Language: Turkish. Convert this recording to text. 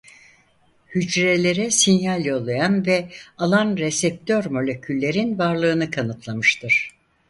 Hücrelere sinyal yollayan ve alan reseptör moleküllerin varlığını kanıtlamıştır.